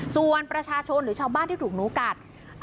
ส่วนประชาชนหรือชาวบ้านที่ถูกงูกัด